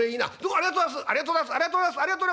「ありがとうございます」。